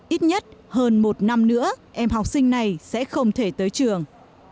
ít nhất hơn một năm nữa em học sinh này sẽ không thể tới trường